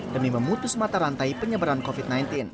demi memutus mata rantai penyebaran covid sembilan belas